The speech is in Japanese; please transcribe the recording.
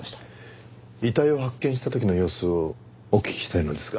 遺体を発見した時の様子をお聞きしたいのですが。